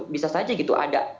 bisa saja gitu ada